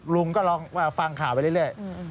ลุงก็ลองฟังข่าวไปเรื่อย